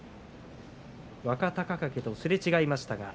若隆景とすれ違いました。